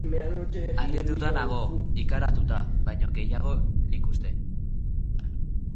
Harrituta nago, ikaratuta baino gehiago, nik uste.